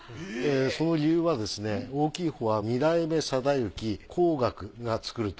その理由はですね大きいほうは二代目貞行光岳が作ると。